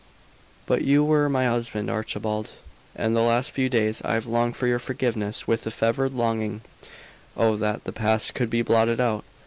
But you were my husband, Archibald; and, the last few days, I have longed for your forgiveness with a fevered longing. Oh! that the past could be blotted out!